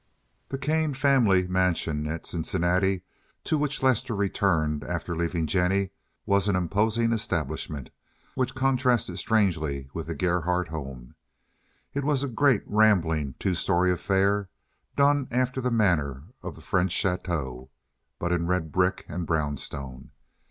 The Kane family mansion at Cincinnati to which Lester returned after leaving Jennie was an imposing establishment, which contrasted strangely with the Gerhardt home. It was a great, rambling, two story affair, done after the manner of the French chateaux, but in red brick and brownstone.